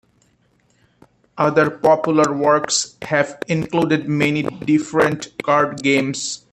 Other popular works have included many different card games.